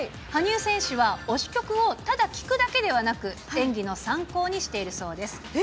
羽生選手は推し曲をただ聴くだけではなく、演技の参考にしているそうです。